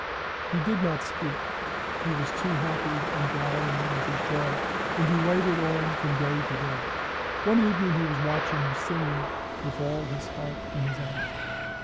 He did not speak, he was too happy in dallying with his joy, and he waited on from day to day. One evening he was watching her singing, with all his heart in his eyes.